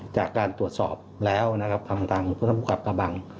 จากการตรวจสอบแล้วทางผู้กรับกระบัง